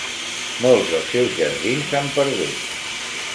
Molts dels seus jardins s'han perdut.